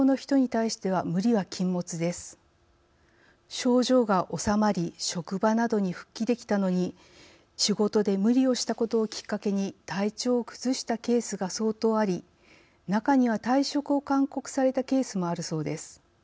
症状がおさまり職場などに復帰できたのに仕事で無理をしたことをきっかけに体調を崩したケースが相当あり中には退職を勧告されたケースもあるそうです。